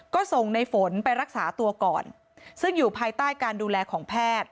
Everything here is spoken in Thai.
ก็ส่งในฝนไปรักษาตัวก่อนซึ่งอยู่ภายใต้การดูแลของแพทย์